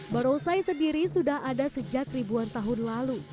barongsai sendiri sudah ada sejak ribuan tahun lalu